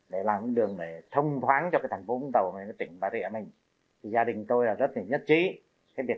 để làm đường này thông thoáng cho thành phố vũng tàu tỉnh bà rịa gia đình tôi rất nhất trí